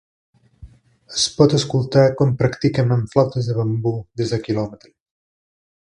Es pot escoltar com practiquen amb flautes de bambú des de kilòmetres.